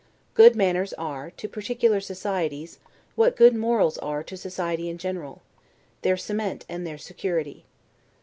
Good manners are, to particular societies, what good morals are to society in general; their cement and their security.